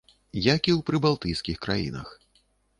Як і ў прыбалтыйскіх краінах.